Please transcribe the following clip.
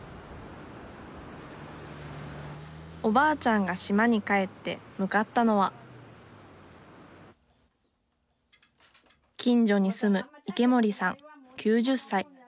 おばあちゃんが島に帰って向かったのは近所に住む池森さん９０歳。